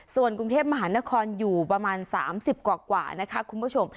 ส่วนกรุงเทพมหานครอยู่ประมาณ๓๐กว่านะคะคุณผู้ชม